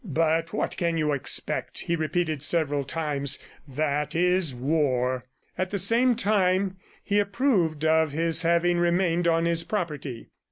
"But what else can you expect?" he repeated several times. "That is war." At the same time he approved of his having remained on his property.